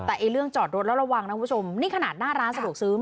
แต่ระวังเนาะนี้ขนาดหน้าร้านสะดวกซื้อ